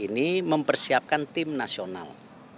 ini mempersiapkan tim nasional